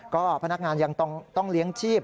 ก็พนักงานยังต้องเลี้ยงชีพ